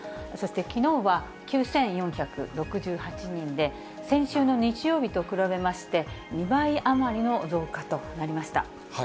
そしてきのうは、９４６８人で、先週の日曜日と比べまして、２倍余りの増加となりました。